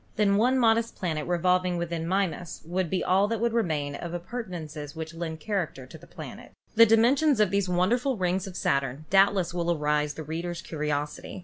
Then one modest planet revolving within Mimas would be all 208 ASTRONOMY that would remain of appurtenances which lend char acter to the planet. The dimensions of these wonderful rings of Saturn doubtless will arouse the reader's curiosity.